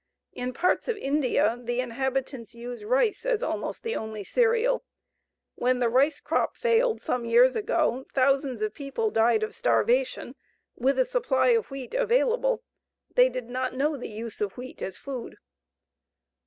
In parts of India, the inhabitants use rice as almost the only cereal. When the rice crop failed some years ago, thousands of people died of starvation with a supply of wheat available. They did not know the use of wheat as food.